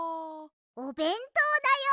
おべんとうだよ！